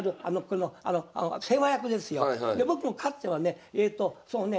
僕もかつてはねそうね